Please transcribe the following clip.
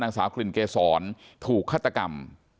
นางสามกลิ่นเกษรถูกฆัตตรรรม